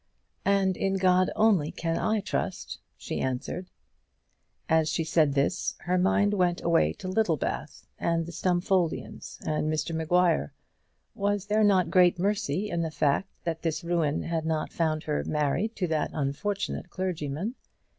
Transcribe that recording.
"And in God only can I trust," she answered. As she said this, her mind went away to Littlebath, and the Stumfoldians, and Mr Maguire. Was there not great mercy in the fact, that this ruin had not found her married to that unfortunate clergyman?